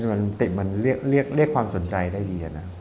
มันเรียกความสนใจได้ดีอ่ะนะ